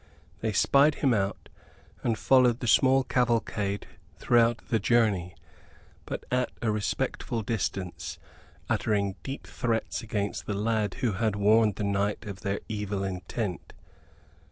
They spied him out, and followed the small cavalcade throughout the journey, but at a respectful distance, uttering deep threats against the lad who had warned the knight of their evil intent.